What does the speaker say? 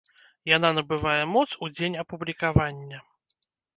Яна набывае моц у дзень апублікавання.